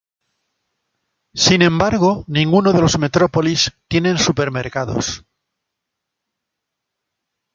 Sin embargo ninguno de los Metrópolis tienen supermercados.